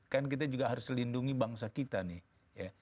kan kita juga harus lindungi bangsa kita nih